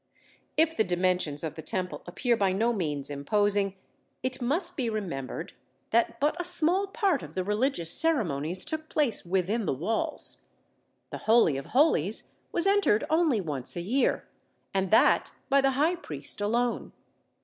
If the dimensions of the Temple appear by no means imposing, it must be remembered that but a small part of the religious ceremonies took place within the walls. The Holy of Holies was entered only once a year, and that by the High priest alone.